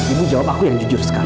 ibu jawab aku yang jujur sekali